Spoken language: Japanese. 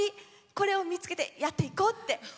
これを見つけてやっていこうって。